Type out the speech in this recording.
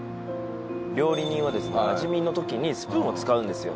料理人はですね味見のときにスプーンを使うんですよ